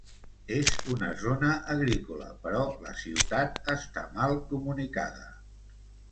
És en una zona agrícola però la ciutat està mal comunicada.